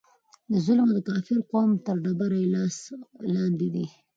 د ظلم او کافر قوم تر ډبره یې لاس لاندې دی.